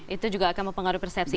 itu juga akan mempengaruhi persepsi